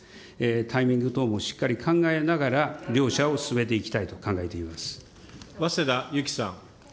タイミング等もしっかり考えながら両者を進めていきたいと考えて早稲田ゆきさん。